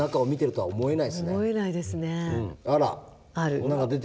はい。